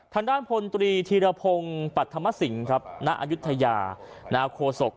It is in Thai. ทางด้านพลตรีธีรพงศ์ปรัฐธรรมสิงครับณอายุทยาโคศก